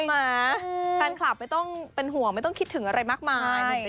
แฟนคลับไม่ต้องเป็นห่วงไม่ต้องคิดถึงอะไรมากมาย